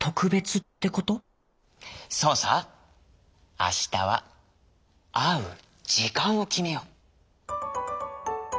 あしたはあう『じかん』をきめよう」。